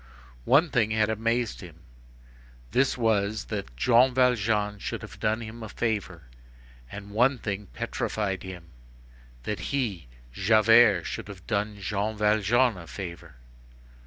One thing had amazed him,—this was that Jean Valjean should have done him a favor, and one thing petrified him,—that he, Javert, should have done Jean Valjean a favor.